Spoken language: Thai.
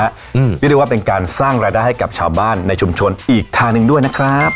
เรียกได้ว่าเป็นการสร้างรายได้ให้กับชาวบ้านในชุมชนอีกทางหนึ่งด้วยนะครับ